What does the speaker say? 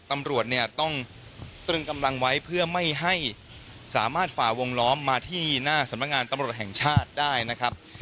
ตำรวจเนี่ยต้องตรึงกำลังไว้เพื่อไม่ให้สามารถฝ่าวงล้อมมาที่หน้าสำนักงานตำรวจแห่งชาติได้นะครับ